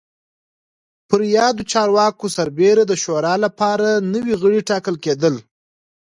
پر یادو چارواکو سربېره د شورا لپاره نوي غړي ټاکل کېدل